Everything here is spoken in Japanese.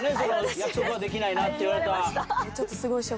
「約束はできない」って言われた。